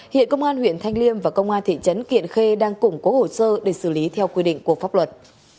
hiện công an huyện thanh liêm và công an thị trấn kiện khê đang củng cố hồ sơ để xử lý theo quy định của pháp luật